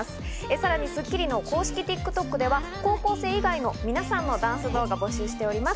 さらに『スッキリ』の公式ＴｉｋＴｏｋでは高校生以外の皆さんのダンス動画を募集しております。